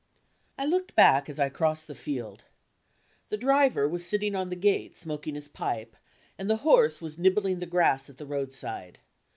I looked back as I crossed the field. The driver was sitting on the gate, smoking his pipe, and the horse was nibbling the grass at the roadside.